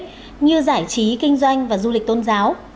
các mục tiêu đồng nghiệp có mục đích như giải trí kinh doanh và du lịch tôn giáo